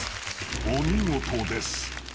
［お見事です］